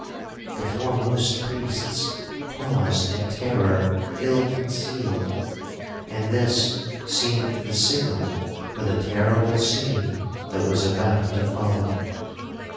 The foremost priests paused in terror ill concealed—and this seemed the signal for the terrible scene that was about to follow.